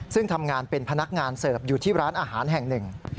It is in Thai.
ซึ่งทำงานเป็นพนักงานเสิร์ฟอยู่ที่ร้านอาหารแห่งหนึ่ง